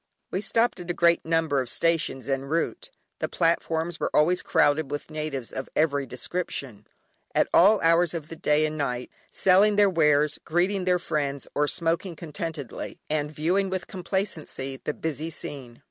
We stopped at a great number of stations en route. The platforms were always crowded with natives of every description, at all hours of the day and night, selling their wares, greeting their friends, or smoking contentedly, and viewing with complacency the busy scene.